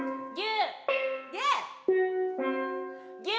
牛。